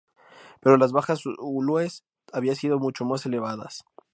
Pero las bajas zulúes había sido mucho más elevadas.